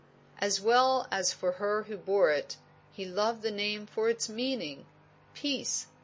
As well as for her who bore it, he loved the name for its meaning. Peace!